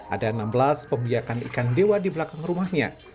ada enam belas pembiakan ikan dewa di belakang rumahnya